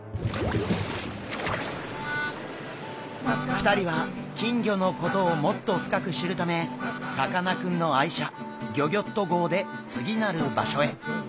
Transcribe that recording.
２人は金魚のことをもっと深く知るためさかなクンの愛車ギョギョッと号で次なる場所へ。